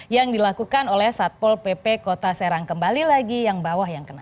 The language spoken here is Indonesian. yang dilakukan oleh satpol pp kota serang kembali lagi yang bawah yang kena